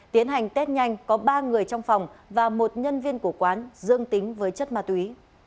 tiến hành test nhanh có ba người trong phòng và một nhân viên của quán dương tính với chất ma túy